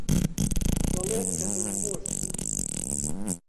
دەڵێت کە دڵخۆش بووم.